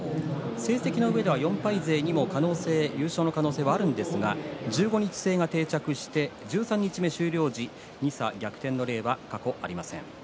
成績の上では４敗勢にも優勝の可能性があるんですが１５日制が定着して十三日目終了時で２差を逆転の例は過去にはありません。